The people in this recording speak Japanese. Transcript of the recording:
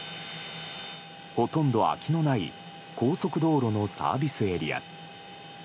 ほとんど空きのない高速道路のサービスエリア。